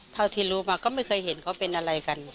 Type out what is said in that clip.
เท่าที่รู้มาก็ไม่เคยเห็นเขาเป็นอะไรกัน